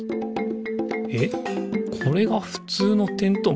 えっこれがふつうのてんとう